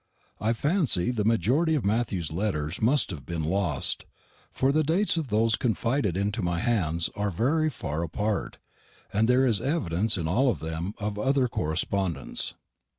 I fancy the majority of Matthew's letters must have been lost, for the dates of those confided to my hands are very far apart, and there is evidence in all of them of other correspondence.